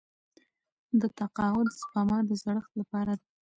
د تقاعد سپما د زړښت لپاره ده.